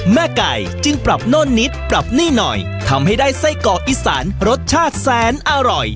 แม่ไก่จึงปรับโน่นนิดปรับนี่หน่อยทำให้ได้ไส้เกาะอีสานรสชาติแสนอร่อย